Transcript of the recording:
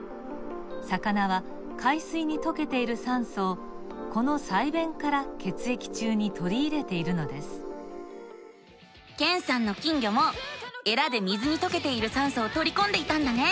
魚は海水にとけている酸素をこの鰓弁から血液中にとりいれているのですけんさんの金魚もえらで水にとけている酸素をとりこんでいたんだね。